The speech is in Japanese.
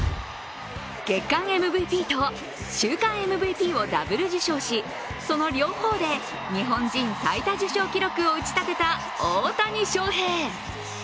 月間ＭＶＰと週間ＭＶＰをダブル受賞しその両方で日本人最多受賞記録を打ち立てた大谷翔平。